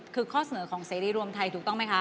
คือข้อเสนอของเสรีรวมไทยถูกต้องไหมคะ